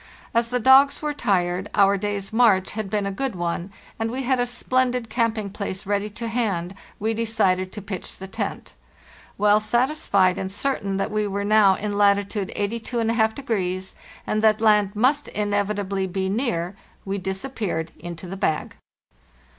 As the dogs were tired, our day's march had been a good one, and we had a splendid camping place ready to hand, we decided to pitch the tent. Well satisfied and certain that we were now in latitude 823°, and that land must inevitably be near, we disappeared into the bag.